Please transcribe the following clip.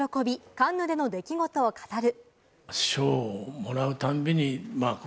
カンヌでの出来事を語る。